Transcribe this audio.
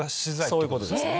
そういうことですね。